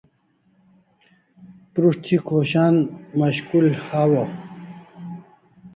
Prus't thi mashkul hawa